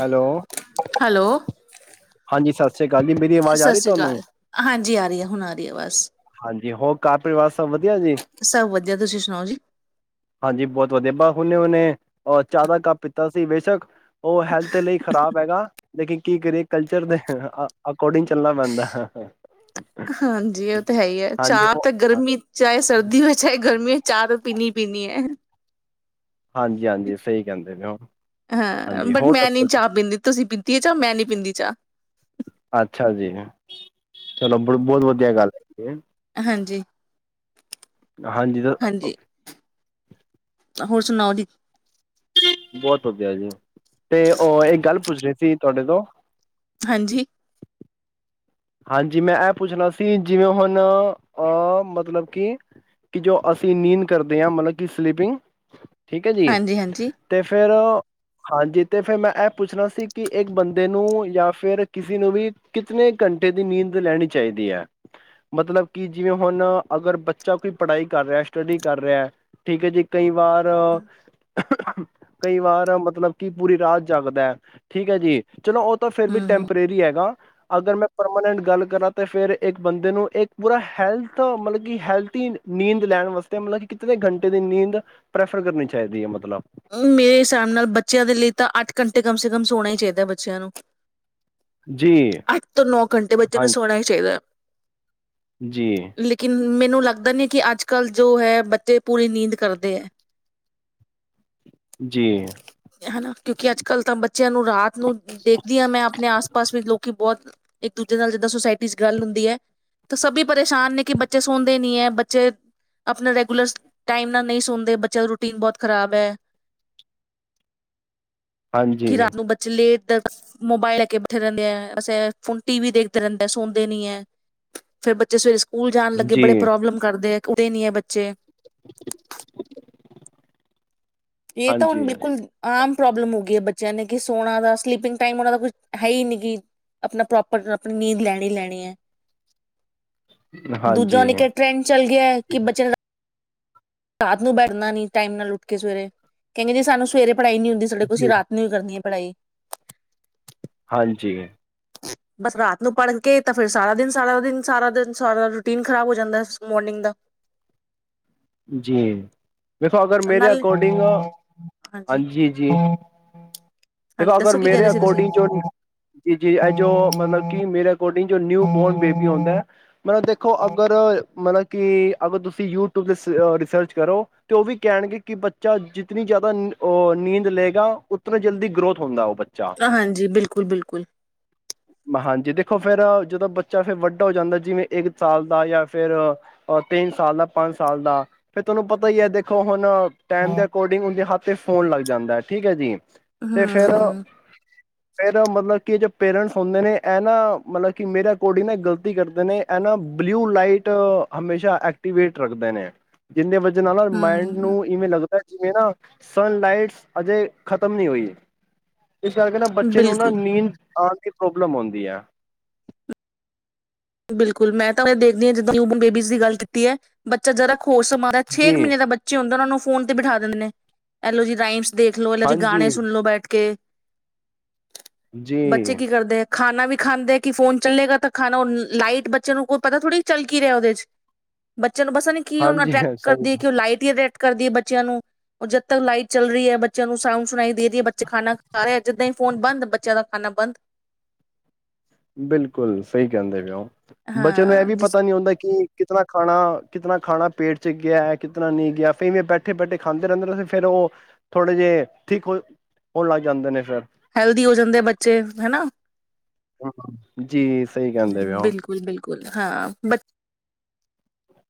Hello hello. ਹਾਂਜੀ ਸਤਿ ਸ਼੍ਰੀ ਸਤਿ ਸ੍ਰੀ ਅਕਾਲ ਹਾਂਜੀ ਆ ਰਹੀ ਹੈ ਹੁਣ ਆ ਰਹੀ ਹੈ ਅਵਾਜ [unintelligible] ਸਭ ਵਧੀਆ ਜੀ ਤੁਸੀਂ ਸੁਣਾਓ ਜੀ? ਹਾਂਜੀ ਬਹੁਤ ਵਧੀਆ ਬ ਹੁਣੇ ਹੁਣੇ ਚਾਹ ਕੱਪ ਪੀਤਾ ਸੀ ਬੇਸ਼ੱਕ ਉਹ ਹੈਲਥ ਲਈ ਖ਼ਰਾਬ ਹੈਗਾ ਲੇਕਿਨ ਕੀ ਕਰੀਏ ਕਲਚਰ ਦੇ ਅਕੋਰਡਿੰਗ ਚੱਲਣਾ ਪੈਂਦਾ ਹਾਂਜੀ ਉਹ ਤਾਂ ਹੈ ਹੀ ਹੈ ਹਾਂਜੀ ਚਾਹ ਉਹ ਤਾਂ ਹਾਂ- ਗਰਮੀ ਚਾਹੇ ਸਰਦੀ ਹੋ ਚਾਹੇ ਗਰਮੀ ਹੋ ਚਾਹ ਤਾਂ ਪੀਣੀ ਪੀਣੀ ਏ ਹਾਂਜੀ ਹਾਂਜੀ ਸਹੀ ਕਹਿੰਦੇ ਨੇ ਉਹ ਹਾਂ ਹਾਂਜੀ ਬਟ ਹੋਰ ਮੈਂ ਨੀ ਦੱਸੋ ਜੀ ਚਾਹ ਪੀਂਦੀ ਤੁਸੀਂ ਪੀਤੀ ਹੈ ਚਾਹ ਮੈਂ ਨੀ ਪੀਂਦੀ ਚਾਹ ਅੱਛਾ ਜੀ ਚਲੋ ਬਹੁਤ ਵਧੀਆ ਗੱਲ ਹੈ ਹਾਂਜੀ ਹਾਂਜੀ ਤਾਂ ਹੋਰ ਸੁਣਾਓ ਦੀ ਬਹੁਤ ਵਧੀਆ ਜੀ ਤੇ ਉਹ ਇੱਕ ਗੱਲ ਪੁੱਛਣੀ ਤੁਹਾਡੇ ਤੋਂ ਹਾਂਜੀ ਹਾਂਜੀ ਮੈਂ ਇਹ ਪੁੱਛਣਾ ਸੀ ਜਿਵੇਂ ਹੁਣ ਅ ਮਤਲਬ ਕਿ ਕਿ ਜੋ ਅਸੀਂ ਨੀਂਦ ਕਰਦੇ ਹਾਂ ਮਤਲਬ ਕਿ ਸਲੀਪਿੰਗ ਠੀਕ ਹੈ ਜੀ ਹਾਂਜੀ ਹਾਂਜੀ। ਅਤੇ ਫਿਰ ਹਾਂਜੀ ਤੇ ਫੇਿਰ ਮੈਂ ਇਹ ਪੁੱਛਣਾ ਸੀ ਕਿ ਇੱਕ ਬੰਦੇ ਨੂੰ ਜਾਂ ਫਿਰ ਕਿਸੇ ਨੂੰ ਵੀ ਕਿਤਨੇ ਘੰਟੇ ਦੀ ਨੀਂਦ ਲੈਣੀ ਚਾਹੀਦੀ ਹੈ ਮਤਲਬ ਕਿ ਜਿਵੇਂ ਹੁਣ ਅਗਰ ਬੱਚਾ ਕੋਈ ਪੜ੍ਹਾਈ ਕਰ ਰਿਹਾ ਸਟੱਡੀ ਕਰ ਰਿਹਾ ਠੀਕ ਹੈ ਜੀ ਕਈ ਵਾਰ ਕਈ ਵਾਰ ਮਤਲਬ ਕਿ ਪੂਰੀ ਰਾਤ ਜਗਦਾ ਠੀਕ ਹੈ ਜੀ ਚਲੋ ਉਹ ਤਾਂ ਫਿਰ ਵੀ ਹੂੰ ਟੈਂਪਰੇਰੀ ਹੈਗਾ ਅਗਰ ਮੈਂ ਪਰਮਾਨੈਂਟ ਗੱਲ ਕਰਾਂ ਤੇ ਫਿਰਰ ਇੱਕ ਬੰਦੇ ਨੂੰ ਇੱਕ ਪੂਰਾ ਹੈਲਥ ਮਤਲਬ ਕਿ ਹੈਲਥੀ ਨੀਂਦ ਲੈਣ ਵਾਸਤੇ ਮਤਲਬ ਕਿਤੇ ਘੰਟੇ ਦੀ ਨੀਂਦ ਪ੍ਰੈਫਰ ਕਰਨੀ ਚਾਹੀਦੀ ਹੈ ਮਤਲਬ ਮੇਰੇ ਹਿਸਾਬ ਨਾਲ ਬੱਚਿਆਂ ਦੇ ਲਈ ਤਾਂ ਅੱਠ ਘੰਟੇ ਕਮ ਸੇ ਕਮ ਸੋਣਾ ਹੀ ਚਾਹੀਦਾ ਬੱਚਿਆਂ ਨੂੰ ਜੀ, ਅੱਠ ਤੋਂ ਨੌ ਘੰਟੇ ਬੱਚੇ ਹਾਂ ਨੂੰ ਸੋਣਾ ਹੀ ਚਾਹੀਦਾ ਜੀ ਲੇਕਿਨ ਮੈਨੂੰ ਲੱਗਦਾ ਨ ਕਿ ਅੱਜ ਕੱਲ੍ਹ ਜੋ ਹੈ ਬੱਚੇ ਪੂਰੀ ਨੀਂਦ ਕਰਦੇ ਹੈ ਜੀ, ਹਨਾ ਕਿਉਂਕਿ ਅੱਜ ਕੱਲ੍ਹ ਤਾਂ ਬੱਚਿਆਂ ਨੂੰ ਰਾਤ ਨੂੰ ਦੇਖਦੀ ਹਾਂ ਮੈਂ ਆਪਣੇ ਆਸ ਪਾਸ ਵਿੱਚ ਲੋਕੀ ਬਹੁਤ ਇੱਕ ਦੂਜੇ ਨਾਲ ਜਿੱਦਾਂ ਸੁੋਸਾਇਟੀ ਚ ਗੱਲ ਹੁੰਦੀ ਹੈ ਤਾਂ ਸਭ ਪਰੇਸ਼ਾਨ ਨੇ ਕਿ ਬੱਚੇ ਸੌਦੇ ਨੀ ਏ ਬੱਚੇ ਆਪਣਾ ਰੈਗੂਲਰ ਟਾਈਮ ਨਾਲ ਨਹੀਂ ਸੌਦੇ ਬੱਚਿਆਂ ਦਾ ਰੂਟੀਨ ਬਹੁਤ ਖਰਾਬ ਹੈ ਘਰਾ ਹਾਂਜੀ, ਨੂੰ ਬਚ ਲੇਟ ਮੋਬਾਇਲ ਲੈ ਕੇ ਬੈਠੇ ਰਹਿੰਦੇ ਆ ਅਂ ਹ ਟੀ ਵੀ ਦੇਖਦੇ ਰਹਿੰਦੇ ਸੁਣਦੇ ਨੀ ਹੈ ਫੇਰ ਬੱਚੇ ਸਵੇਰੇ ਸਕੂਲ ਜਾਣ ਲੱਗੇ ਬੜੇ ਜੀ, ਪ੍ਰੋਬਲਮ ਕਰਦੇ ਆ ਉੱਠਦੇ ਨੀ ਹੈ ਬੱਚੇ ਇਹ ਤਾਂ ਹੁਣ ਹਾਂਜੀ, ਬਿਲਕੁਲ ਆਮ ਪ੍ਰੋਬਲਮ ਹੋ ਗਈ ਹੈ ਬੱਚਿਆਂ ਨੇ ਕਿ ਸੋਨਾ ਦਾ ਸਲਿਪਿੰਗ ਟਾਈਮ ਉਹਨਾਂ ਦਾ ਕੁਛ ਹੈ ਹੀ ਨੀ ਕਿ ਆਪਣਾ ਪ੍ਰੋਪਰ ਆਪਣੀ ਨੀਂਦ ਲੈਣੀ ਹੀ ਲੈਣੀ ਹੈ ਦੂਜਾ ਹਾਂਜੀ, ਨ ਇੱਕ ਟ੍ਰੈਂਡ ਚੱਲ ਗਿਆ ਕਿ ਬੱਚਿਆਂ ਰਾਤ ਨੂੰ ਬੈਠਣਾ ਨੀ ਟਾਈਮ ਨਾਲ ਉੱਠ ਕੇ ਸਵੇਰੇ ਕਹਿੰਦੇ ਜ ਸਾਨੂੰ ਸਵੇਰੇ ਪੜਾਈ ਨਹੀ ਹੁੰਦੀ ਸਾਡੇ ਕੋਲ ਅਸੀ ਜੀ, ਰਾਤ ਨੂੰ ਹੀ ਕਰਨੀ ਹੈ ਪੜਾਈ ਹਾਂਜੀ ਬਸ ਰਾਤ ਨੂੰ ਪੜ੍ਹ ਕੇ ਤਾਂ ਫਿਰ ਸਾਰਾ ਦਿਨ ਸਾਰਾ ਦਿਨ ਸਾਰਾ ਦਿਨ ਸਾਰਾ ਰੂਟੀਨ ਖ਼ਰਾਬ ਹੋ ਜਾਂਦਾ ਮੋਰਨਿੰਗ ਦਾ ਜੀ ਦੇਖੋ ਅਗਰ ਮੇਰੇ ਨਾਲ ਅਕੋਰਡਿੰਗ ਹਾਂਜੀ ਜੀ ਹਾਂਜੀ ਦੇਖੋ ਅਗਰ ਦੱਸੋ ਕੀ ਕਹਿ ਰਹੇ ਮੇਰੇ ਸੀ ਤੁਸੀਂ ਅਕੋਡਿੰਗ ਜੋ ਜੀ ਜੀ ਇਹ ਜੋ ਮਤਲਬ ਕਿ ਮੇਰੇ ਿੰ ਨਿਊ ਬੋਰਨ ਬੇਬੀ ਹੁੰਦਾ ਹੈ ਮਤਲਬ ਦੇਖੋ ਅਗਰ ਮਤਲਬ ਕਿ ਅਗਰ ਤੁਸੀਂ ਯੂ ਰਿਸਰਚ ਕਰੋ ਤੇ ਉਹ ਵੀ ਕਹਿਣਗੇ ਕਿ ਬੱਚਾ ਜਿਤਨੀ ਜ਼ਿਆਦਾ ਨੀਂਦ ਲਏਗਾ ਉਤਨਾ ਜਲਦੀ ਗਰੋਥ ਹੁੰਦਾ ਉਹ ਬੱਚਾ ਹਾਂਜੀ ਬਿਲਕੁਲ ਬਿਲਕੁਲ ਹਾਂਜੀ ਦੇਖੋ ਫੇਿਰ ਜਦੋਂ ਬੱਚਾ ਫਿਰ ਵੱਡਾ ਹੋ ਜਾਂਦਾ ਜਿਵੇਂ ਇੱਕ ਸਾਲ ਦਾ ਜਾਂ ਫੇਿਰ ਤਿੰਨ ਸਾਲ ਦਾ ਪੰਜ ਸਾਲ ਦਾ ਫਿਰ ਤੁਹਾਨੂੰ ਪਤਾ ਹੀ ਹੈ ਦੇਖੋ ਹੁਣ ਟਾਈਮ ਦੇ ਅਕੋਰਡਿੰਗ ਉਹਦੇ ਹੱਥ ਤੇ ਫੋਨ ਲੱਗ ਜਾਂਦਾ ਹੈ ਠੀਕ ਹੈ ਜੀ ਤੇ ਫੇਰ ਹਮ ਫਿਰ ਮਤਲਬ ਕਿ ਜੌ ਪੇਰੈਂਟਸ ਹੁੰਦੇ ਨੇ ਇਹ ਨਾ ਮਤਲਬ ਕਿ ਮੇਰਾ ਐਕਾਰਡਿੰਗ ਨਾ ਗ਼ਲਤੀ ਕਰਦੇ ਨੇ ਇਹ ਨਾ ਬਲਿਊ ਲਾਈਟ ਹਮੇਸ਼ਾ ਐਕਟੀਵੇਟ ਰੱਖਦੇ ਨੇ ਜਿੰਨੇ ਵਜ ਨਾਲ ਮਾਇਂਡ ਹਮ ਨੂੰ ਇ ਵੇਂ ਲੱਗ ਜਿਵੇਂ ਨਾ ਸਨ ਲਾਈਟਸ ਅਜੇ ਖਤਮ ਨਹੀਂ ਹੋਈ ਇਸ ਕਰਕੇ ਨਾ ਬੱਚੇ ਨੂੰ ਨਾ ਬਿਲਕੁਲ ਨੀਂਦ ਆਉਣ ਪ੍ਰੋਬਲਮ ਆਉਂਦੀ ਆ ਬਿਲਕੁਲ ਮੈਂ ਤਾਂ ਦੇਖਦੀ ਹਾਂ ਜਿੱਦਾਂ ਬੇਬੀਜ਼ ਦੀ ਗੱਲ ਕੀਤੀ ਹੈ ਬੱਚਾ ਜਰਾ ਹੋਸ਼ ਸੰਭਾਲ਼ ੇ ਜੀ ਮਹੀਨੇ ਦਾ ਬੱਚੇ ਹੁੰਦੇ ਉਹਨਾਂ ਨੂੰ ਫੋਨ ਤੇ ਬਿਠਾ ਦਿੰਦੇ ਨੇ ਐਲੋ ਜੀ ਰਾਈ ਦੇਖਲੋ ਇਹਨਾਂ ਚ ਗਾਣੇ ਹਾਂਜੀ ਸੁਣ ਲੋ ਬੈਠ ਕੇ ਬੱਚੇ ਜੀ ਕੀ ਕਰਦੇ ਹੈ ਖਾਣਾ ਵੀ ਖਾਂਦੇ ਕਿ ਫੋਨ ਚੱਲੇਗਾ ਤਾਂ ਖਾਣਾ ਲਾਈਟ ਬੱਚੇ ਨੂੰ ਕੋਈ ਪਤਾ ਥੋੜ੍ਹੀ ਚਲ ਕੀ ਰਿਹਾ ਉਹਦੇ ਚ ਬੱਚ ਨੂੰ ਬਸ ਨ ਕੀ ਉਹਨੂੰ ਹਾਂਜੀ ਅਟ੍ਰੈਟ ਸਹੀ ਕਰਦੀ ਹੈ ਕਿ ਉਹ ਲਾਈਟ ਕਰਦੀ ਹੈ ਬੱਚਿਆਂ ਨੂੰ ਜਦ ਤੱਕ ਲਾਈਟ ਚੱਲ ਰਹੀ ਹੈ ਬੱਚਿਆਂ ਨੂੰ ਸਾਊਂਡ ਸੁਣਾਈ ਦੇ ਰਹੀ ਹੈ ਬੱਚੇ ਖਾਣਾ ਖਾ ਰਹੇ ਜਿੱਦਾਂ ਹੀ ਫ਼ੋਨ ਬੰਦ ਬੱਚਿਆਂ ਦਾ ਖਾਣਾ ਬੰਦ ਬਿਲਕੁਲ ਸਹੀ ਕਹਿੰਦੇ ਪਏਓ ਬੱਚੇ ਨੂੰ ਇਹ ਹਾਂ ਵੀ ਜਿਸ ਪਤਾ ਨੀ ਹੁੰਦਾ ਕਿ ਕਿਤਨਾ ਖਾਣਾ ਕਿਤਨਾ ਖਾਣਾ ਪੇਟ ਚ ਗਿਆ ਕਿਤਨਾ ਨਹੀਂ ਗਿਆ ਫੇਵੇਂ ਬੈਠੇ ਬੈਠੇ ਖਾਂਦੇ ਰਹਿੰਦੇ ਰ ਸੀ ਫੇਿਰ ਉਹ ਥੋੜ੍ਹੇ ਜਿਹੇ ਠੀਕ ਹੋ ਹੋਣ ਲੱਗ ਜਾਂਦੇ ਨੇ ਫੇਿਰ ਹੈਲਦੀ ਹੋ ਜਾਂਦੇ ਬੱਚੇ ਹਨਾ ਹਾਂ ਬਿਲਕੁਲ ਬਿਲਕੁਲ ਹਾਂ ਬ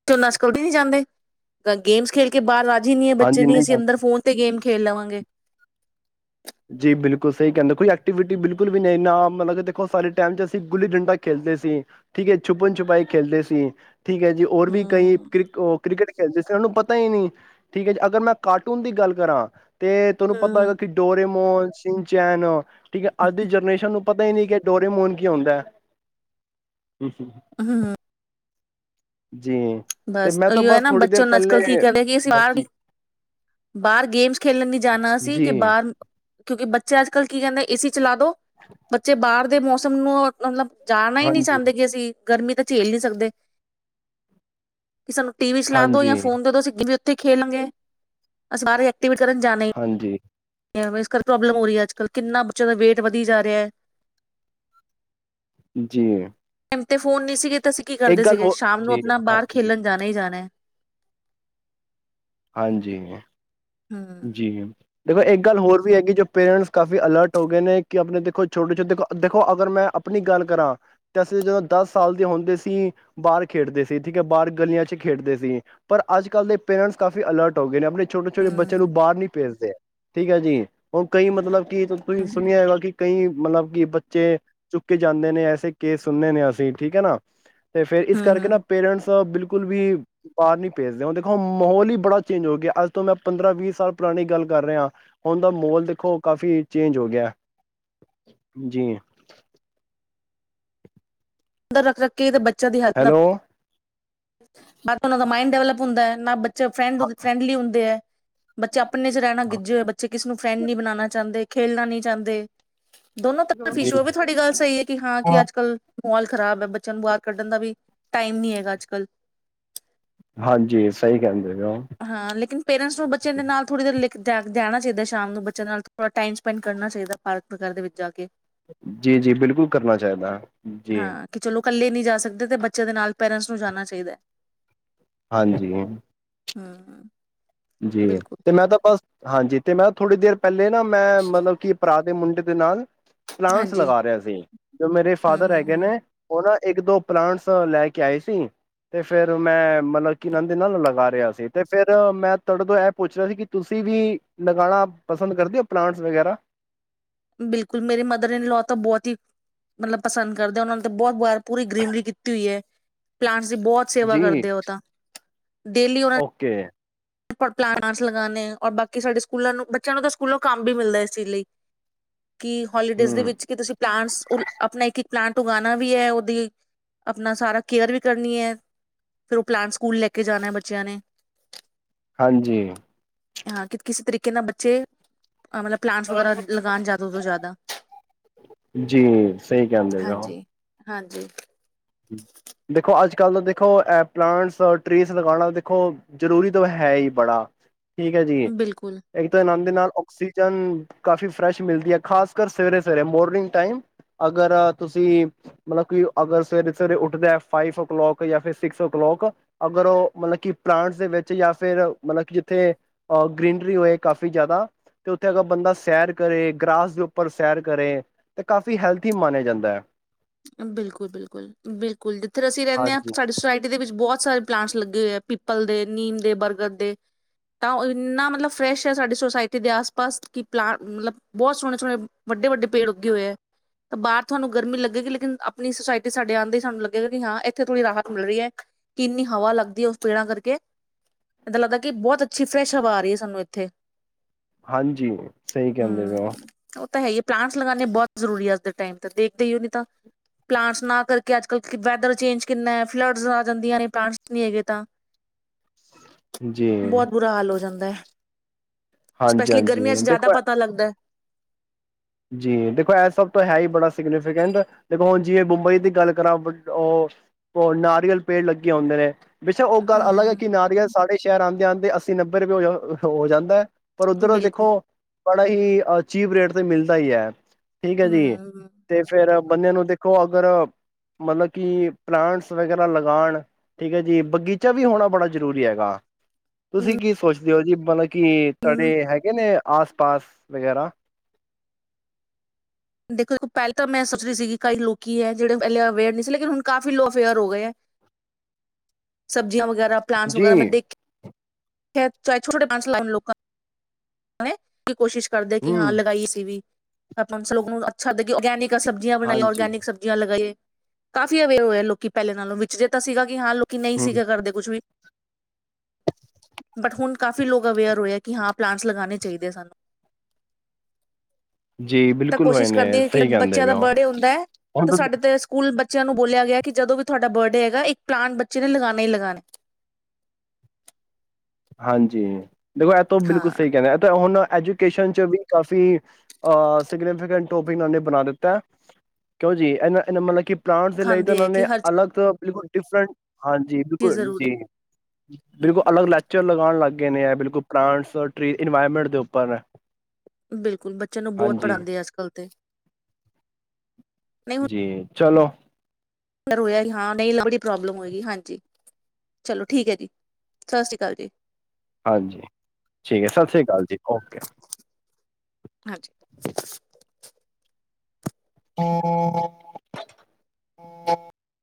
ਚੋ ਨਸਕਲਦੀ ਨਹੀਂੀ ਜਾਂਦੇ ਗੇਮਸ ਖੇਡ ਕੇ ਬਾਹਰ ਨਹੀਂੀ ਬੱਚੇ ਹਾਂਜੀ ਨ ਨਹੀਂ ਅਸੀਂ ਅੰਦਰ ਫੋਨ ਤੇ ਗੇਮ ਖੇਲ ਲਵਾਂਗੇ ਜੀ ਬਿਲਕੁਲ ਸਹੀ ਕਹਿੰਦਾ ਕੋਈ ਐਕਟੀਵਿਟੀ ਬਿਲਕੁਲ ਵੀ ਨਹੀਂ ਨਾ ਮਤਲਬ ਕਿ ਦੇਖੋ ਸਾਡੇ ਟਾਈਮ ਚ ਅਸੀਂ ਗੁੱਲੀ ਡੰਡਾ ਖੇਡਦੇ ਸੀ ਠੀ ਛੁਪ ਛੁਪਾਈ ਖੇਲ ਸੀ ਤੇ ਠੀਕ ਹੈ ਜੀ ਹੋਰ ਵੀ ਕਈ ਹੂੰ ਕ੍ਰਿਕ ਉਹ ਕ੍ਰਿਕਟ ਜਿਸੇ ਉਹਨੂੰ ਪਤਾ ਹੀ ਨਹੀਂੀ ਠੀਕ ਹੈ ਜੀ ਅਗਰ ਮੈਂ ਕਾਰਟੂਨ ਦੀ ਗੱਲ ਕਰਾਂ ਤੇ ਤੁਹਾਨੂੰ ਪਤਾ ਹੂੰ ਹੈਗਾ ਕਿ ਹ ਮੋਹਨ ਸਿੰਘ ਚੈਾਨੋ ਠੀਕ ਹੈ ਅੱਜ ਦੀ ਜਨਰੇਸ਼ਨ ਨੂੰ ਪਤਾ ਹੀ ਨਹੀਂੀ ਕਿ ਡੋਰੇਮੋਨ ਕੀ ਆਉਂਦਾ ਹ ਹਮ ਹਮ ਜੀ ਤੇ ਬਸ ਮੈਂ ਤਾਂ ਉ ਹੈ ਨਾ ਥੋੜ੍ਹੀ ਦੇਰ ਬੱਚਿਆਂ ਨੂੰ ਪਹਿਲੇ ਅੱਜਕੱਲ ਕੀ ਕਰ ਰਿਹਾ ਕਿ ਅਸੀਂ ਬਾਹਰ ਹਾਂਜੀ ਬਾਹਰ ਗੇਮਸ ਖੇਲਣ ਨੀ ਜਾਣਾ ਅ ਸੀ ਜੀ ਕਿ ਬਾਹਰ ਕਿਉਂਕਿ ਬੱਚ ਅੱਜ ਕੱਲ ਕੀ ਕਹਿੰਦੇ ਇਸ ਸੀ ਚਲਾ ਦੋ ਬੱਚੇ ਬਾਹਰ ਦੇ ਮੌਸਮ ਨੂੰ ਮਤਲਬ ਜਾਣਾ ਹੀ ਨਹੀਂ ਹਾਂਜੀ ਚਾਹੁੰਦੇ ਕਿ ਅਸੀਂ ਗਰਮੀ ਤਾਂ ਝੇਲ ਨਹੀਂ ਸਕਦੇ। ਕਿ ਸਾਨੂੰ ਟੀ ਵੀ ਚਲਾ ਦੋ ਯਾ ਹਾਂਜੀ ਫੋਨ ਦੇ ਦੋ ਅਸੀ ਗਿ ਉੱਥੇ ਖੇਲਣਾਂਗੇ, ਅ ਸਾਰੇ ਟੀਵਰ ਕਰਨ ਜਾਨਾ ਈ ਹਾਂਜੀ ਇਸ ਕਰਕੇ ਪ੍ਰੋਬਲਮ ਹੋ ਰਹੀ ਹੈ ਅੱਜ ਕਲ, ਕਿੰਨਾ ਬੱਚਿਆਂ ਦਾ ਵੇਟ ਵਧੀ ਜਾ ਰਿਹਾ ਹੈ। ਜੀ। ਟਾਈਮ ਤੇ ਫੋਨ ਨਹੀਂ ਸੀਗੇ ਤੇ ਅਸੀਂ ਕੀ ਇੱਕ ਕਰਦੇ ਗੱਲ ਸੀਗੇ? ਹੋਰ ਸ਼ਾਮ ਨੂੰ ਜੀ ਆਪਣਾ ਬਾਹਰ ਹਾਂਜੀ ਖੇਲਣ ਜਾਣਾ ਹੀ ਜਾਣਾ ਏ। ਹਾਂਜੀ। ਹੂੰ ਜੀ। ਦੇਖੋ ਇੱਕ ਗੱਲ ਹੋਰ ਵੀ ਹੈਗੀ ਜੋ ਪੇਰੈਂਟਸ ਕਾਫ਼ੀ ਅਲਰਟ ਹੋ ਗਏ ਨੇ, ਕਿ ਆਪਣੇ ਦੇਖੋ ਛੋਟੇ-ਛੋਟੇ ਦੇਖੋ, ਦੇਖੋ ਅਗਰ ਮੈਂ ਆਪਣੀ ਗੱਲ ਕਰਾਂ ਤਾਂ ਅਸੀਂ ਜਦੋਂ ਦਸ ਸਾਲ ਦੇ ਹੁੰਦੇ ਸੀ, ਬਾਹਰ ਖੇਡਦੇ ਸੀ ਠੀਕ ਹੈ, ਬਾਹਰ ਗਲੀਆਂ ਚ ਖੇਡਦੇ ਸੀ, ਪਰ ਅੱਜ ਕੱਲ੍ਹ ਦੇ ਪੇਰੈਂਟਸ ਕਾਫ਼ੀ ਅਲਰਟ ਹੋ ਗਏ ਨੇ ਆਪਣੇ ਛੋਟੇ-ਛੋਟੇ ਬੱਚੇ ਹਮ। ਨੂੰ ਬਾਹਰ ਨਹੀਂ ਭੇਜਦੇ, ਠੀਕ ਹੈ ਜੀ, ਹੁਣ ਕਈ ਮਤਲਬ ਕੀ ਤੁਸੀਂ ਹੂੰ ਸੁਣਿਆ ਹੋਗਾ ਕਿ ਕਈ ਮਤਲਬ ਕਿ ਬੱਚੇ ਚੁੱਕੇ ਜਾਂਦੇ ਨੇ, ਐਸੇ ਕੇਸ ਸੁਣਣੇ ਨੇ ਅਸੀਂ, ਠੀਕ ਹੈ ਨਾ। ਤੇ ਫੇਰ ਇਸ ਹੂੰ ਕਰਕੇ ਹੂੰ ਨਾ ਪੇਰੈਂਟਸ ਤ ਬਿਲਕੁਲ ਵੀ ਬਾਹਰ ਨੀ ਭੇਜਦੇੁ, ਹੁੰਣ ਦੇਖੋ ਮਾਹੌਲ ਹੀ ਬੜਾ ਚੇਂਜ ਹੋ ਗਿਆ, ਅੱਜ ਤੋਂ ਮੈਂ ਪੰਦਰਾਂ, ਵੀਹ ਸਾਲ ਪੁਰਾਣੀ ਗੱਲ ਕਰ ਰਹੇ ਹਾਂ, ਹੁਣ ਦਾ ਮਾਹੌਲ ਦੇਖੋ ਕਾਫ਼ੀ ਚੇਂਜ ਹੋ ਗਿਆ। ਜੀ। ਅੰਦਰ ਰੱਖ-ਰੱਖ ਕੇ ਇਹਦੇ ਬੱ ਬੱਚਿਆਂ ਦੀ ਹੈਲਥ ਨਾਲ ਹੈਲੋ ਨਾ ਤੇ ਉਹਨਾਂ ਦਾ ਮਾਇੰਡ ਡਿਵਲਪ ਹੁੰਦਾ ਹੈ, ਨਾ ਬ ਚਾ ਫਰੈਂਡ ਓਦੇ ਫਰੈਂਡਲੀ ਹੁੰਦੇ ਹੈ, ਬੱਚੇ ਆਪਣੇ ਚ ਰਹਿਣਾ ਗਿੱਜੇ ਹੋਏ ਬੱਚੇ ਕਿਸੇ ਨੂੰ ਫਰੈਂਡ ਨੀ ਬਣਾਉਣਾ ਚਾਹੁੰਦੇ, ਖੇਲਣਾ ਨਹੀਂ ਚਾਹੁੰਦੇ। ਦੋਨੋ ਤਰਫ ਜੀ ਇਸ਼ੂ ਵੇ, ਉਹ ਵੀ ਤੁਹਾਡੀ ਗੱਲ ਸਹੀ ਹੈ, ਕਿ ਹਾਂ ਕਿ ਅੱਜ ਕੱਲ੍ਹ ਮਾਹੌਲ ਖ਼ਰਾਬ ਹੈ, ਬੱਚਿਆਂ ਨੂੰ ਬਾਹਰ ਕੱਢਣ ਦਾ ਵੀ ਟਾਈਮ ਨੀ ਹੈਗਾ ਅੱਜ ਕੱਲ। ਹਾਂਜੀ, ਸਹੀ ਕਹਿੰਦੇ। ਪਏ ਹੋ ਹਾਂ ਲੇਕਿਨ ਪੇਰੈਂਟਸ ਨੂੰ ਬੱਚਿਆਂ ਦੇ ਨਾਲ ਥੋੜ੍ਹੀ ਦੇਰ ਦੇ ਦੇਹਿਣਾ ਚਾਹੀਦਾ ਸ਼ਾਮ ਨੂੰ ਬੱਚਿਆਂ ਨਾਲ, ਥੋੜ੍ਹਾ ਟਾਈਮ ਸਪੈਂਡ ਕਰਨਾ ਚਾਹੀਦਾ ਪਾਰਕ ਵਗੈਰਾ ਦੇ ਵਿੱਚ ਜਾ ਕੇ। ਜੀ-ਜੀ, ਬਿਲਕੁਲ ਕਰਨਾ ਚਾਹੀਦਾ। ਜੀ। ਇਕੱਲੇ ਨਹੀਂ ਜਾ ਸਕਦੇ, ਤੇ ਬੱਚਿਆਂ ਦੇ ਨਾਲ ਪੇਰੈਂਟਸ ਨੂੰ ਜਾਣਾ ਚਾਹੀਦਾ ਹੈ। ਹਾਂਜੀ। ਹਮ-ਹਮ। ਜੀ, ਤੇ ਮੈਂ ਤਾਂ ਬਸ ਹਾਂਜੀ, ਤੇ ਮੈਂ ਥੋੜ੍ਹੀ ਦੇਰ ਪਹਿਲੇ ਨਾ, ਮੈਂ ਮਤਲਬ ਕਿ ਪਰਾ ਦੇ ਮੁੰਡੇ ਦੇ ਨਾਲ ਪਲਾਂਟਸ ਹਾਂਜੀ ਲਗਾ ਰਿਹਾ ਸੀ, ਜੋ ਮੇਰੇ ਹੂੰ ਫਾਦਰ ਹੂੰ ਹੈਗੇ ਨੇ, ਹੂੰ ਉਹ ਨਾ ਇੱਕ ਦੋ ਪਲਾਂਟਸ ਲੈ ਕੇ ਆਏ ਸੀ, ਤੇ ਫਿਰ ਮੈਂ ਮਤਲਬ ਕਿ ਨਾਲ ਦੇ ਨਾਲ ਲਗਾ ਰਿਹਾ ਸੀ, ਤੇ ਫਿਰ ਮੈਂ ਤੁਹਾਡੇ ਤੋਂ ਇਹ ਪੁੱਛਣਾ ਸੀ ਕਿ ਤੁਸੀਂ ਵੀ ਨਗਾਉਣਾ ਪਸੰਦ ਕਰਦੇ ਹੋ ਪਲਾਂਟਸ ਵਗੈਰਾ ਬਿਲਕੁਲ ਮੇਰੇ ਮਦਰ ਇਡ ਲੋਅ ਤਾਂ ਬਹੁਤ ਹੀ ਮਤਲਬ ਪਸੰਦ ਕਰਦੇ ਉਹਨਾਂ ਨੂੰ ਤਾਂ ਬਹੁਤ ਗਰ ਪੂਰੀ ਗ੍ਰੀਨਰੀ ਕੀਤੀ ਹੋਈ ਹੈ ਪਲਾਂਟਸ ਅਸੀਂ ਬਹੁਤ ਸੇਵਾ ਜੀ ਕਰਦੇ ਹ ਉਹ ਤਾਂ ਓਕੇ ਪਲਾਨਟਸ ਲਗਾਣੇ ਔ ਬਾਕੀ ਕਿ ਸਾਡੇ ਸਕੂਲਾਂ ਨੂੰ ਬੱਚਿਆਂ ਨੂੰ ਤਾਂ ਸਕੂਲੋਂ ਕੰਮ ਵੀ ਮਿਲਦਾ ਇਸ ਚੀਜ਼ ਲਈ ਕਿ ਹੋਲੀਡੇਜ਼ ਦੇ ਹਮ ਵਿੱਚ ਕਿ ਤੁਸੀਂ ਪਲਾਂਟਸ ਆਪਣਾ ਇੱਕ ਇੱਕ ਪਲਾਂਟ ਤੋਂ ਗਉਣਾ ਵੀ ਹੈ ਉਹਦੀ ਆਪਣਾ ਸਾਰਾ ਕੇਅਰ ਵੀ ਕਰਨੀ ਹੈ, ਫਿਰ ਉਹ ਪਲਾਨ ਸਕੂਲ ਲੈ ਕੇ ਜਾਣਾ ਬੱਚਿਆਂ ਨੇ ਹਾਂਜੀ ਹਾਂ, ਕਿ ਕਿਸੇ ਤਰੀਕੇ ਨਾਲ ਬੱਚੇ ਅ ਮਤਲਬ ਕ੍ਲਾਂਸ ਵਗੈਰਾ ਲਗਾਉਣ [unintelligible] ਜ਼ਿਆਦਾ ਤੋਂ ਜ਼ਿਆਦਾ [unintelligible] ਜੀ ਸਹੀ ਕਹਿੰਦੇ ਪੇ ਓ ਹਾਂਜੀ, ਹਾਂਜੀ ਦੇਖੋ ਅੱਜ-ਕੱਲ ਦੇਖੋ ਅ ਪਲਾਂਟਸ ਟਰੀਜ਼ ਲਗਾਉਣਾ ਦੇਖੋ ਜ਼ਰੂਰੀ ਤਾਂ ਹੈ ਹੀ ਬੜਾ ਠੀਕ ਹੈ ਜੀ ਬਿਲਕੁਲ। ਇੱਕ ਤਾਂ ਆਨੰਦ ਦੇ ਨਾਲ ਆਕਸੀਜਨ ਕਾਫੀ ਫਰੈਸ਼ ਮਿਲਦੀ ਹੈ, ਖਾਸ ਕਰ ਸਵੇਰੇ ਸਵੇਰੇ ਮੋਰਨਿੰਗ ਟਾਈਮ ਅਗਰ ਤੁਸੀਂ ਮਤਲਬ ਕਿ ਅਗਰ ਸਵੇਰੇ ਸਵੇਰੇ ਉੱਠਦਾ ਫਾਈਵ ਓ ਕ੍ਲਾਕ ਜਾਂ ਫਿਰ ਸਿਕਸ ਓ ਕਲਲਾਕ ਅਗਰ ਉਹ ਮਤਲਬ ਕਿ ਪਲਾਂਟਸ ਦੇ ਵਿੱਚ ਜਾਂ ਫਿਰ ਮਤਲਬ ਕਿ ਜਿੱਥੇ ਗ੍ਰੀਨਰੀ ਹੋਏ ਕਾਫ਼ੀ ਜ਼ਿਆਦਾ ਤੇ ਉੱਥੇ ਅਗਰ ਬੰਦਾ ਸੈਰ ਕਰੇ ਗਰਸ ਦੇ ਉੱਪਰ ਸੈਰ ਕਰੇ ਤਾਂ ਕਾਫ਼ੀ ਹੈਲਥੀ ਮਨਿਆ ਜਾਂਦਾ ਹੈ ਬਿਲਕੁਲ-ਬਿਲਕੁਲ ਬਿਲਕੁਲ ਜਿੱਥੇ ਅਸੀਂ ਰਹਿੰਦੇ ਹਾਂ ਹਾਂਜੀ ਸਾਡੀ ਸੁੋਸਾਇਟੀ ਦੇ ਵਿੱਚ ਬਹੁਤ ਬਹੁਤ ਸਾਰੇ ਪਲਾਂਟਸ ਲੱਗੇ ਹੋਏ ਹੈ, ਪਿੱਪਲ ਦੇ ਨੀਮ ਦੇ ਬਰਗਰ ਦੇ ਤਾਂ ਇੰਨਾ ਮਤਲਬ ਫਰੈਸ਼ ਹੈ ਸਾਡੀ ਸੋਸਾਇਟੀ ਦੇ ਆਸ ਪਾਸ ਕਿ ਪਲਾਂਟ ਮਤਲਬ ਬਹੁਤ ਸੋਹਣੇ ਸੋਹਣੇ ਵੱਡੇ ਵੱਡੇ ਪੇੜ ਉੱਗੇ ਹੋਏ ਹੈ ਤਾਂ ਬਾਹਰ ਤੁਹਾਨੂੰ ਗਰਮੀ ਲੱਗੇਗੀ ਆਪਣੀ ਸੁੋਸਾਇਟੀ ਸਾਡੇ ਆਉਂਦੇ ਹੀ ਸਾਨੂੰ ਲੱਗੇਗਾ ਕਿ ਹਾਂ ਇੱਥੇ ਥੋੜ੍ਹੀ ਰਾਹਤ ਮਿਲ ਰਹੀ ਹੈ ਕਿ ਇੰਨੀ ਹਵਾ ਲੱਗਦੀ ਹੈ ਉਸੜਾ ਕਰਕੇ ਇਦ ਲੱਗਦਾ ਕਿ ਬਹੁਤ ਅੱਛੀ ਫਰੈਸ਼ ਹਵਾ ਆ ਰਹੀ ਹੈ ਸਾਨੂੰ ਇੱਥੇ ਹਾਂਜੀ ਸਹੀ ਕਹਿੰਦੇ ਪੇ ਹੋ ਹੂੰ ਉਹ ਤਾਂ ਹੈ ਹੀ ਪਲਾਂਟਸ ਲਗਾਉਂਣੇ ਬਹੁਤ ਜ਼ਰੂਰੀ ਹੈ ਅੱਜ ਦੇ ਟਾਈਮ ਤੇ ਦੇਖਦੇ ਹੀ ਹੀ ਤਾਂ ਪਲਾਂਟਸ ਨਾ ਕਰਕੇ ਅੱਜ ਕੱਲ੍ਹ ਵੈਦਰ ਚੇਂਜ ਕਿੰਨਾ ਹੈ, ਫਲੱਡਸ ਆ ਜਾਂਦੀਆਂ ਨੇ ਪਲਾਂਟਸ ਨਹੀਂ ਹੈਗੇ ਤਾਂ ਜੀ ਬਹੁਤ ਬੁਰਾ ਹਾਲ ਹੋ ਜਾਂਦਾ ਹੈ ਹਾਂਜੀ ਸਪੈਸ਼ਲੀ ਗਰਮੀਆਂ ਹਾਂਜੀ ਚ ਜ਼ਿਆਦਾ ਦੇਖੋ ਪਤਾ ਲੱਗਦਾ ਹੈ ਜੀ ਦੇਖੋ ਇਹ ਸਭ ਤੋਂ ਹੈ, ਹੀ ਬੜਾ ਸਿਗਨੀਫਿਕੈਂਟ ਦੇਖੋ ਹੁਣ ਜਿਵੇਂ ਬੰਬਈ ਦੀ ਗੱਲ ਕਰਾਂ ਉਹ ਨਾਰੀਅਲ ਪੇੜ ਲੱਗੇ ਹੁੰਦੇ ਨੇ ਬੇਛਕ ਉਹ ਗੱਲ ਅਲੱਗ ਹੈ, ਕਿ ਹੂੰ ਨਰਿਯ੍ਮਲ ਦ ਸਾਰੇ ਸ਼ਹਿਰ ਆਉਂਦੇ-ਆਉਂਦੇ ਅੱਸੀ ਨੰਬੇ ਰੁਪਏ ਹੋ ਹੋ ਜਾਂਦਾ ਹੈ ਪਰ ਉੱਧਰ ਬਿਲਕੁਲ ਦੇਖੋ ਬੜ ਹੀ ਅਹ ਚੀਪ ਰੇਟ ਤੇ ਮਿਲਦੀ ਦਾ ਹੀ ਹੈ ਠੀਕ ਹੈ ਜੀ ਹੂੰ ਤੇ ਫੇਰ ਬੰਦਿਆਂ ਨੂੰ ਦੇ ਦੇੋ ਅਗਰ ਮਤਲਬ ਕਿ ਪਲਾਂਟਸ ਵਗੈਰਾ ਲਗਾਉਣ ਠੀਕ ਹੈ, ਜੀ ਬਗੀਚਾ ਵੀ ਹੋਣਾ ਬੜਾ ਜਰੂਰੀ ਹੈਗਾ, ਹੂੰ ਤੁਸੀਂ ਕੀ ਸੋਚਦੇ ਹੋ ਜੀ ਮਤਲਬ ਕੀ ਤੁਹਾਡੇ ਹੈਗੇ ਨੇ ਆਸ ਪਾਸ ਵਗੈਰਾ ਦੇਖੋ ਦੇੋ ਪਹਿਲਾਂ ਤਾਂ ਮੈਂ ਸੋਚ ਰਹੀ ਸੀਗੀ ਕਈ ਲੋਕੀ ਹੈ ਜਿਹੜੇ ਪਹਿਲੇ ਅਵੇਅਰ ਨਹੀਂ ਸੀ ਲੇਕਿਨ ਹੁਣ ਕਾਫ਼ੀ ਲੋ ਅਵੇਅਰ ਹੋ ਗਏ ਹੈ ਸਬਜ਼ੀਆਂ ਵਗੈਰਾ ਪਲਨਟਸ ਵਗੈਰਾ ਜੀ ਮ ਹੈ ਚਾਹੇ ਛੋਟੇੇ ਡਾਂਸ ਲ ਲੋਕਾਂ ਕੋਸ਼ਿਸ਼- ਕਰਦੇ ਕਿ ਹਾਂ ਹਮ ਲਗਾਈ ਆਸੀ ਵੀ ਆਪਾਂ ਸਲ ਨੂੰ ਅੱਛਾੱ ਰਗੈਨਿਕ [inaudible] ਤਾਂ ਸਬਜ਼ੀਆਂ ਬਣਾਈਆਂ ਹਾਂਜੀ, ਔਰਗੈਨਿਕ ਸਬਜ਼ੀਆਂ ਲਗਾਈਏ ਕਾਫ਼ੀ ਅਵੇਅਰ ਹੋਏ ਲੋਕੀ ਪਹਿਲੇ ਨਾਲੋਂ ਵਿੱਚ ਜੇ ਤਾਂ ਸੀਗਾ। ਕਿ ਹਾਂ ਲੋਕੀ ਨਹੀਂ, ਹੂੰ, ਸੀਗੇ ਕਰਦੇ ਕੁੱਛ ਵੀ ਬਟ ਹੁਣ ਕਾਫ਼ੀ ਲੋਕ ਅਵੇਅਰ ਹੋਏ ਆ। ਕਿ ਹਾਂ ਪਲਾਂਟਸ ਲਗਾਉਣੇ ਚਾਹੀਦੇ ਆ ਸਾਨੂੰ ਜੀ ਤਾਂ ਬਿਲਕੁਲ ਹੋਏ ਕੋਸ਼ਿਸ਼ ਨੇ ਕਰਦੇ ਏ ਕਿ ਸਹੀ ਕਹਿੰਦੇ ਬੱਚਿਆਂ ਪਏ ਦਾ ਓ। ਬਰਡੇ ਹੁੰਦਾ ਹੈ। ਤਾਂ ਸਾਡੇ ਤੇ ਸਕੂਲ ਬੱਚਿਆਂ ਨੂੰ ਬੋਲਿਆ ਗਿਆ। ਕਿ ਜਦੋਂ ਵੀ ਤੁਹਾਡਾ ਬਰਡੇ ਹੈਗਾ ਇੱਕ ਪਲਾਂਟ ਬੱਚੇ ਨੇ ਲਗਾਉਣਾ ਹੀ ਲਗਾਉਣਾ। ਹਾਂਜੀ ਦੇਖੋ ਇਹ ਤਾਂ ਉਹ ਬਿਲਕੁਲ ਹਾਂ ਸਹੀ ਕਹਿੰਦੇ ਇਹ ਤਾਂ ਹੁਣ ਐਜੂਕੇਸ਼ਨ 'ਚ ਵੀ ਕਾਫੀ ਅ ਸਿਗਨੀਫਿਕੈਂਟ ਟੋਪਿਕ ਇਨ੍ਹਾਂ ਨੇ ਬਣਾ ਦਿੱਤਾ। ਕਿਉਂ ਜੀ, ਇਹਨਾਂ ਇਹਨਾਂ ਮਤਲਬ ਕਿ ਪਲਾਂਟਸ ਦੇ ਲਈ ਤਾਂ ਖਾਂਦੇ ਇਨ੍ਹਾਂ ਹੈ ਨੇ ਕਿ ਹਰ ਅਲੱਗ ਤੋਂ ਬਿਲਕੁਲ ਡਿਫਰੈਂਟ ਹਾਂਜੀ। ਬਿਲਕੁਲ ਚੀਜ਼ ਜ਼ਰੂਰੀ ਜੀ, ਬਿਲਕੁਲ ਹੂੰ ਅਲੱਗ ਲਾਲ ਲਗਾਣ ਲੱਗ ਗਏ ਨੇ, ਏ ਬਿਲਕੁਲ ਪਲਾਂਟਸਰ ਟ੍ਰੀ ਇਨਵਾਇਰਮੈਂਟ ਦੇ ਉੱਪਰ ਬਿਲਕੁਲ ਬੱਚਿਆਂ ਨੂੰ ਬਹੁਤ ਹਾਂਜੀ, ਪੜਾਉਂਦੇ ਆ ਅੱਜ ਕੱਲ੍ਹ ਤੇ ਜੀ ਚਲੋ। ਰੋਇਆ ਨਹੀ ਹਾਂ ਨਹੀਂ ਬੜੀ ਪ੍ਰੋਬਲਮ ਹੋਏਗੀ। ਹਾਂਜੀ ਚਲੋ ਠੀਕ ਹੈ। ਜੀ ਸਤਿ ਸ਼੍ਰੀ ਅਕਾਲ ਜੀ। ਹਾਂਜੀ, ਠੀਕ ਹੈ। ਸਤਿ ਸ੍ਰੀ ਅਕਾਲ ਜੀ, ਓਕੇ ਹਾਂਜੀ- ਹਮ [unintelligible]